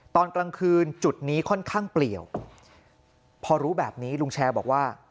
ตอนกลางคืนจุดนี้ค่อนข้างเปลี่ยวพอรู้แบบนี้ลุงแชร์บอกว่า